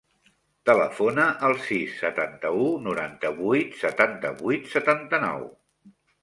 Telefona al sis, setanta-u, noranta-vuit, setanta-vuit, setanta-nou.